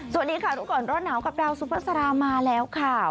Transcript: สวัสดีค่ะทุกคนรอดหนาวกับดาวซุฟ้าสารามาแล้วค่ะ